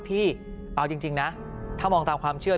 พี่เอาจริงนะถ้ามองตามความเชื่อ